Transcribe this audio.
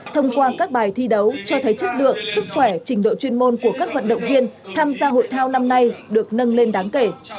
thông qua các bài thi đấu cho thấy chất lượng sức khỏe trình độ chuyên môn của các vận động viên tham gia hội thao năm nay được nâng lên đáng kể